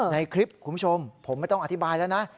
ในคลิปคุณผู้ชมผมไม่ต้องอธิบายแล้วนะ